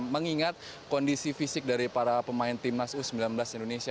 mengingat kondisi fisik dari para pemain timnas u sembilan belas indonesia